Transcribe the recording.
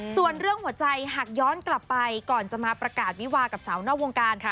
ส่วนเรื่องหัวใจหากย้อนกลับไปก่อนจะมาประกาศวิวากับสาวนอกวงการค่ะ